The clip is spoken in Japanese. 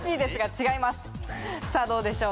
違います。